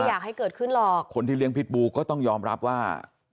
อยากให้เกิดขึ้นหรอกคนที่เลี้ยพิษบูก็ต้องยอมรับว่า